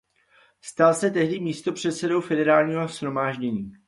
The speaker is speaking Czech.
Stal se tehdy místopředsedou Federálního shromáždění.